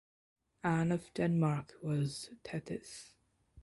Anne of Denmark was Tethys.